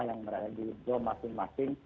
yang berada di zona masing masing